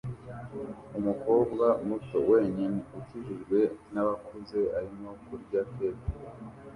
Umukobwa muto wenyine ukikijwe nabakuze arimo kurya keke